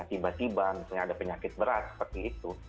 tiba tiba misalnya ada penyakit berat seperti itu